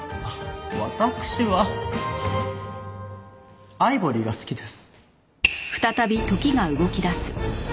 わたくしはアイボリーが好きです。